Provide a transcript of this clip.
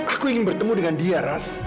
aku ingin bertemu dengan dia ras